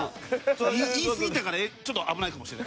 言いすぎたからちょっと危ないかもしれない。